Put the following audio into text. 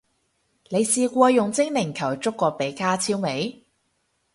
你試過用精靈球捉過比加超未？